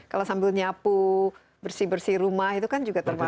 kalau sambil nyapu bersih bersih rumah itu kan juga termasuk